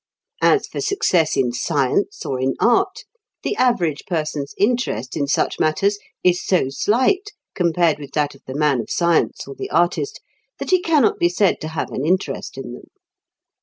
As for success in science or in art, the average person's interest in such matters is so slight, compared with that of the man of science or the artist, that he cannot be said to have an interest in them.